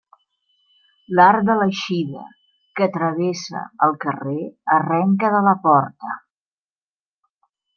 L'arc de l'eixida que travessa el carrer arrenca de la porta.